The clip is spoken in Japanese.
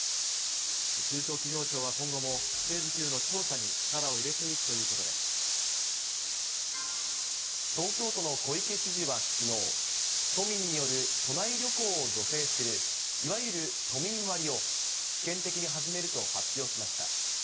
中小企業庁は今後も、不正受給の調査に力を入れていくということ東京都の小池知事はきのう、都民による都内旅行を助成する、いわゆる都民割を、試験的に始めると発表しました。